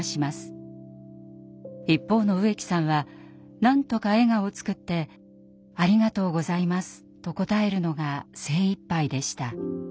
一方の植木さんはなんとか笑顔を作って「ありがとうございます」と答えるのが精いっぱいでした。